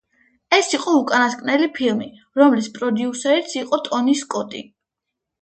ეს იყო უკანასკნელი ფილმი, რომლის პროდიუსერიც იყო ტონი სკოტი.